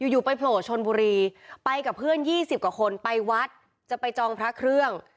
อยู่ไปโผล่ชนบุรีไปกับเพื่อน๒๐กว่าคนไปวัดจะไปจองพระเครื่อง